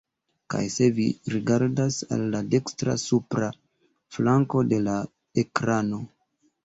Kaj se vi rigardas al la dekstra supra flanko de la ekrano…